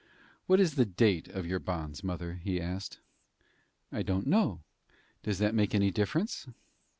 "What is the date of your bonds, mother?" he asked. "I don't know. Does that make any difference?"